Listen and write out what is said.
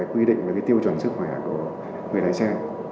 quy định về tiêu chuẩn sức khỏe của người lái xe